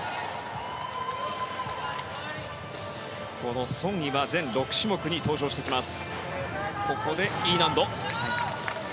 このソン・イは全６種目に登場します。